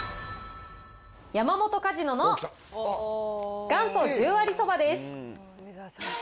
山本かじのの元祖十割そばです。